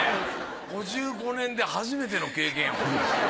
５５年で初めての経験や。